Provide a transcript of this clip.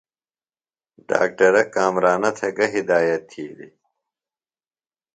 ڈاکٹرہ کامرانہ تھےۡ گہ ہدایت تِھیلیۡ؟